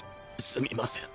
すみません